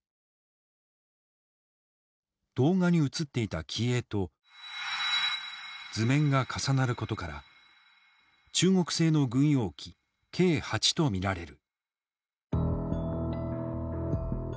動画に写っていた機影と図面が重なることから中国製の軍用機Ｋ−８と見られる。